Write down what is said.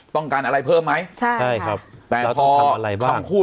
ต้องการอะไรเพิ่มไหมแต่พอคำคูต